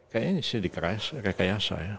kayaknya ini sudah di rekayasa ya